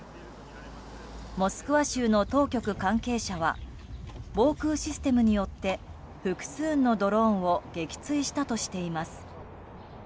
モスクワ州の当局関係者は防空システムによって複数のドローンを撃墜したとしています。